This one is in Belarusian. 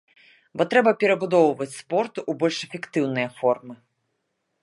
Бо трэба перабудоўваць спорт у больш эфектыўныя формы.